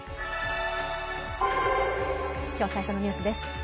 今日最初のニュースです。